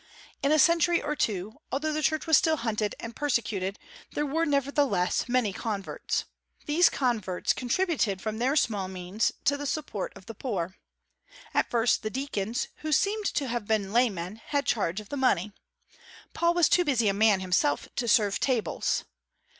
In a century or two, although the Church was still hunted and persecuted, there were nevertheless many converts. These converts contributed from their small means to the support of the poor. At first the deacons, who seem to have been laymen, had charge of this money. Paul was too busy a man himself to serve tables.